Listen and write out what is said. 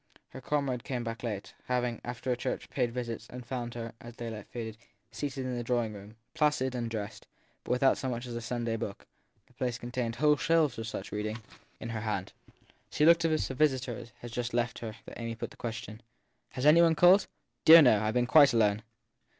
Her comrade came back late, having, after church, paid visits; and found her, as daylight faded, seated in the drawing room, placid and dressed, but without so much as a Sunday book the place contained whole shelves of such read ing in her hand. She looked so as if a visitor had just left her that Amy put the question : Has any one called ? Dear, no ; I ve been quite alone.